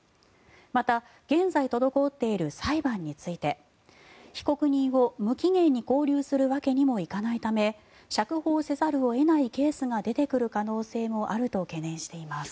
また、現在滞っている裁判について被告人を無期限に勾留するわけにもいかないため釈放せざるを得ないケースが出てくる可能性もあると懸念しています。